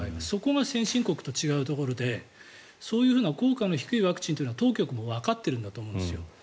そこが先進国と違うところでそういう効果の低いワクチンというのは当局もわかっているんだと思うんです。